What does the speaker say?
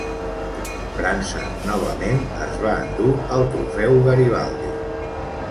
França, novament, es va endur el Trofeu Garibaldi.